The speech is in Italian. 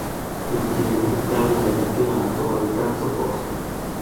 Il team termina il campionato al terzo posto.